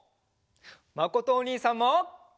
まことおにいさんも。